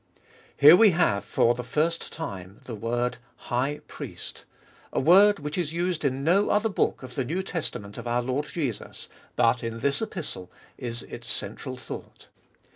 Here we have, for the first time, the word High Priest — a word which is used in no other book of the New Testament of our Lord Jesus, but in this Epistle is its central thought.